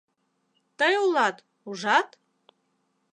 Тый улат, ужат?..